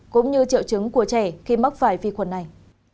cũng như triệu chứng của trẻ khi mắc phải vi khuẩn này